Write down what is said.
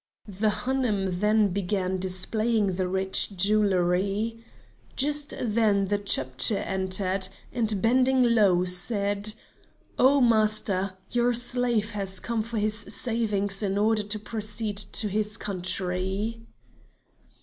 The Hanoum then began displaying the rich jewelry. Just then the Chepdji entered, and bending low, said: "Oh master, your slave has come for his savings in order to proceed to his country."